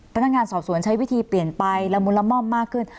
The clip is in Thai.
พนักงานสอบสวนใช้วิธีเปลี่ยนไปละมุนละม่อมมากขึ้น